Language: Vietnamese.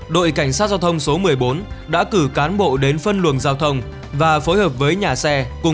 đội cảnh sát giao thông số một mươi bốn đã cử cán bộ đến phân luồng giao thông và phối hợp với nhà xe cùng